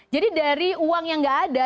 jadi dari uang yang gak ada